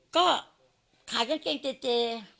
ก็ขายกางเกงเจเจ